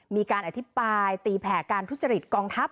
มีการอธิบายตีแผ่การทุจริตกองทัพ